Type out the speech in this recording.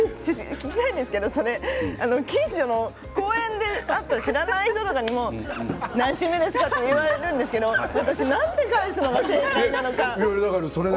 聞きたいんですけれどもそれ近所の公園で会った知らない人とかからも何周目ですか？って聞かれるんですけれどもなんて返すのが正解なのか。